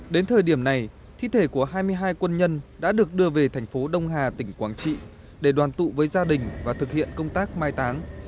đến thời điểm này thi thể của hai mươi hai quân nhân đã được đưa về thành phố đông hà tỉnh quảng trị để đoàn tụ với gia đình và thực hiện công tác mai tán